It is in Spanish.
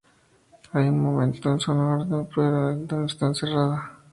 Hay un monumento en su honor en el lugar donde está enterrada.